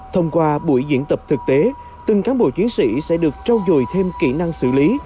thông qua buổi diễn tập thực tế từng cán bộ chiến sĩ sẽ được trao dồi thêm kỹ năng xử lý